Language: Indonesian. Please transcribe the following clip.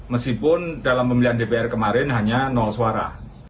meskipun dalam pemilihan dpr kemarin hanya suara